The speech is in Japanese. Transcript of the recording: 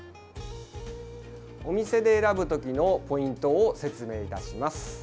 お店で選ぶ時のポイントを説明いたします。